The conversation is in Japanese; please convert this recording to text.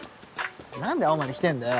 何で青まで来てんだよ。